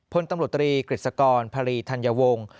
พตรีกฤตษกรพระรีธัญวงศ์